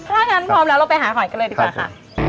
ถ้างั้นพร้อมแล้วเราไปหาหอยกันเลยดีกว่าค่ะ